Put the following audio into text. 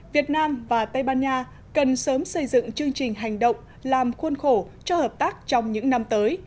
việt nam và tây ban nha cần sớm xây dựng chương trình hành động làm khuôn khổ cho hợp tác trong những năm tới